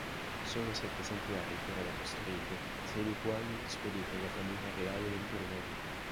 Solo sette esemplari furono costruiti, sei dei quali spediti alla Famiglia Reale del Brunei.